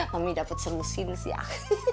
mami dapet selusin sih